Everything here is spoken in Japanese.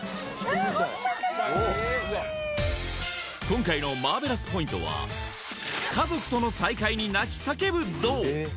今回のマーベラスポイントは家族との再会に鳴き叫ぶゾウ！